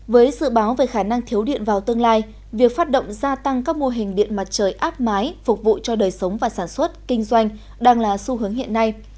với dự báo về khả năng thiếu điện vào tương lai việc phát động gia tăng các mô hình điện mặt trời áp mái phục vụ cho đời sống và sản xuất kinh doanh đang là xu hướng hiện nay